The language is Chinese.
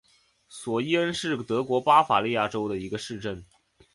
索伊恩是德国巴伐利亚州的一个市镇。